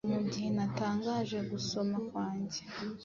nko mugihe natangaje gusoma kwanjye